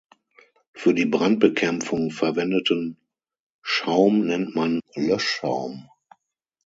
Für die Brandbekämpfung verwendeten Schaum nennt man Löschschaum.